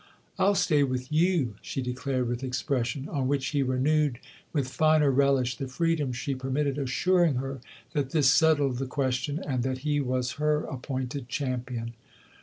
"I'll stay with you !" she declared with expression ; on which he renewed, with finer relish, the freedom she per mitted, assuring her that this settled the question and that he was her appointed champion.